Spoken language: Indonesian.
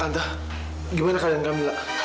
tante gimana keadaan kamila